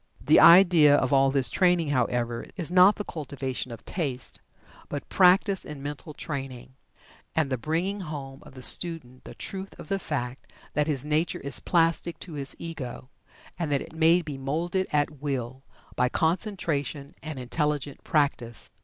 The idea of all this training, however, is not the cultivation of taste, but practice in mental training, and the bringing home to the student the truth of the fact that his nature is plastic to his Ego, and that it may be moulded at will, by concentration and intelligent practice.